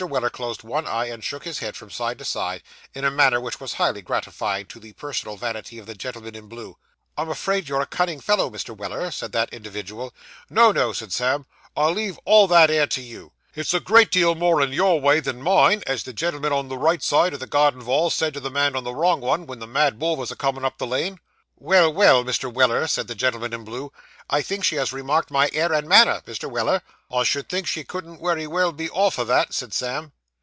Weller closed one eye, and shook his head from side to side, in a manner which was highly gratifying to the personal vanity of the gentleman in blue. 'I'm afraid you're a cunning fellow, Mr. Weller,' said that individual. 'No, no,' said Sam. 'I leave all that 'ere to you. It's a great deal more in your way than mine, as the gen'l'm'n on the right side o' the garden vall said to the man on the wrong un, ven the mad bull vos a comin' up the lane.' 'Well, well, Mr. Weller,' said the gentleman in blue, 'I think she has remarked my air and manner, Mr. Weller.' 'I should think she couldn't wery well be off o' that,' said Sam.